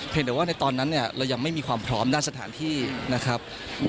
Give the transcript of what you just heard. แต่ว่าในตอนนั้นเรายังไม่มีความพร้อมด้านสถานที่นะครับ